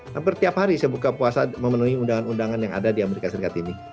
hampir tiap hari saya buka puasa memenuhi undangan undangan yang ada di amerika serikat ini